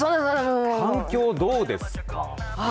反響、どうですか。